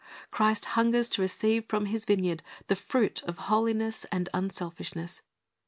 Christ hungers to receive from His vineyard the fruit of holiness and unselfishness.